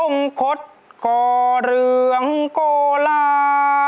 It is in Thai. องคตก่อเรืองโกลา